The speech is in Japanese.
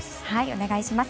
お願いします。